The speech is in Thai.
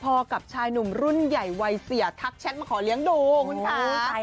พอกับชายหนุ่มรุ่นใหญ่วัยเสียทักแชทมาขอเลี้ยงดูคุณค่ะ